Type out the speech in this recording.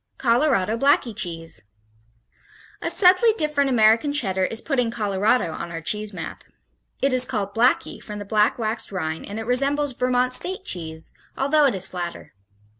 Colorado Blackie Cheese A subtly different American Cheddar is putting Colorado on our cheese map. It is called Blackie from the black waxed rind and it resembles Vermont State cheese, although it is flatter.